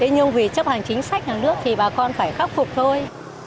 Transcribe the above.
nhưng vì chấp hành chính sách nhà nước thì bà con phải khắc phục thôi